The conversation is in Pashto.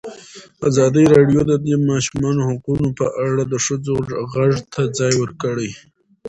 ازادي راډیو د د ماشومانو حقونه په اړه د ښځو غږ ته ځای ورکړی.